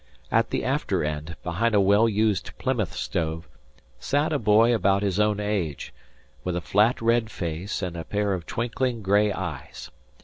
At the after end, behind a well used Plymouth stove, sat a boy about his own age, with a flat red face and a pair of twinkling gray eyes.